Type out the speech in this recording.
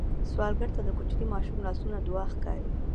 سوالګر ته د کوچني ماشوم لاسونه دعا ښکاري